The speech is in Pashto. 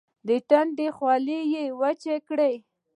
د تندي خوله يې وچه کړه.